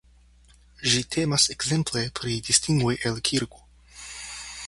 Ĝi temas ekzemple pri distingoj el kirko.